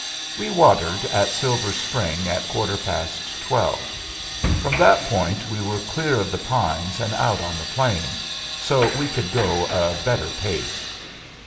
We watered at Silver Spring at quarter past twelve. From that point we were clear of the pines and out on the plain, so we could go a better pace.